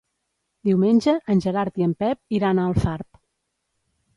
Diumenge en Gerard i en Pep iran a Alfarb.